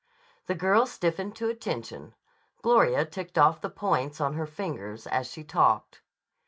The girl stiffened to attention. Gloria ticked off the points on her fingers as she talked.